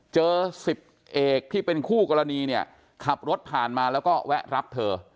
สิบเอกที่เป็นคู่กรณีเนี่ยขับรถผ่านมาแล้วก็แวะรับเธอ